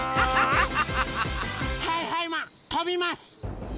はいはいマンとびます！